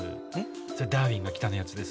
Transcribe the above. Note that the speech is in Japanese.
それ「ダーウィンが来た！」のやつです